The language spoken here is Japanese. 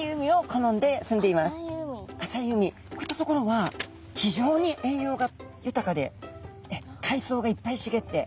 こういった所は非常に栄養が豊かでかいそうがいっぱいしげって。